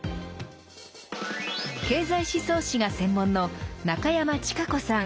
経済思想史が専門の中山智香子さん。